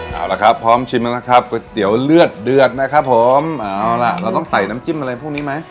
เอาละครับพร้อมชิมแล้วนะครับก๋วยเตี๋ยวเลือดเดือดนะครับผมเอาล่ะเราต้องใส่น้ำจิ้มอะไรพวกนี้ไหม